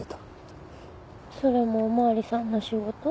それもお巡りさんの仕事？